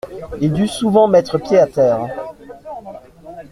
Il dut souvent mettre pied à terre.